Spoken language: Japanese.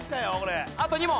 あと２問。